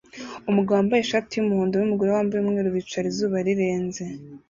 Umugabo wambaye ishati yumuhondo numugore wambaye umweru bicara izuba rirenze